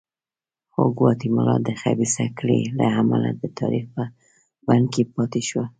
خو ګواتیمالا د خبیثه کړۍ له امله د تاریخ په بند کې پاتې شوه.